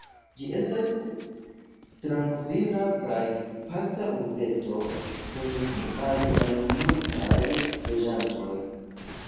Ĝi estas trankvila kaj paca urbeto kun siaj malmultaj loĝantoj.